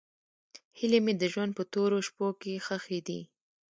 هیلې مې د ژوند په تورو شپو کې ښخې دي.